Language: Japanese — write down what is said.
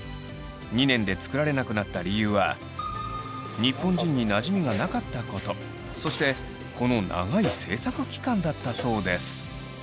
２年で作られなくなった理由は日本人になじみがなかったことそしてこの長い制作期間だったそうです。